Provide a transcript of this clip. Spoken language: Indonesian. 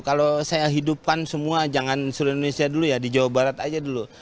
kalau saya hidupkan semua jangan seluruh indonesia dulu ya di jawa barat aja dulu